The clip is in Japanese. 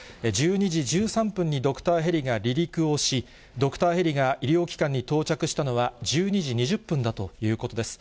１２時１３分にドクターヘリが離陸をし、ドクターヘリが医療機関に到着したのは、１２時２０分だということです。